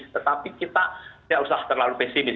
tetapi kita tidak usah terlalu pesimis